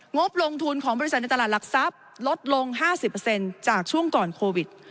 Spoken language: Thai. งบลงทุนของบริษัทในตลาดหลักทรัพย์ลดลง๕๐จากช่วงก่อนโควิด